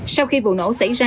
sau khi vụ nổ xảy ra